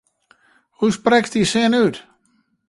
Hoe sprekst dy sin út?